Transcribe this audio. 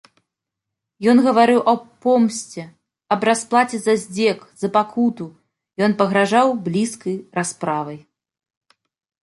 Ён гаварыў аб помсце, аб расплаце за здзек, за пакуту, ён пагражаў блізкай расправай.